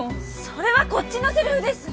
それはこっちのせりふです！